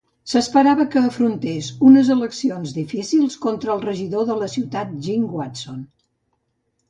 S'esperava que afrontés unes eleccions difícils contra el regidor de la ciutat Jim Watson.